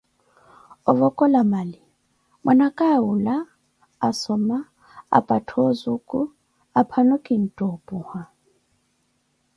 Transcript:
ovokola mali, mwanaka awula, asoma apattha ozuku, aphano kintta opuha.